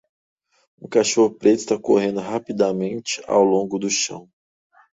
Um cachorro preto está correndo rapidamente ao longo do chão